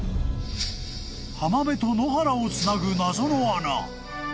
［浜辺と野原をつなぐ謎の穴］